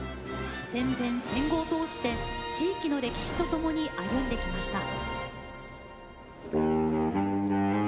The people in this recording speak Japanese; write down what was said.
戦前、戦後を通して地域の歴史とともに歩んできました。